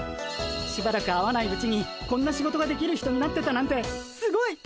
しばらく会わないうちにこんな仕事ができる人になってたなんてすごいっ！